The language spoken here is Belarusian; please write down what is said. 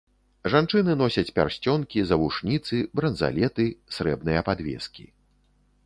Жанчыны носяць пярсцёнкі, завушніцы, бранзалеты, срэбныя падвескі.